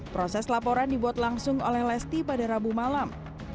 proses laporan dibuat langsung oleh lesti pada rabu malam